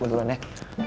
gue dulu aneh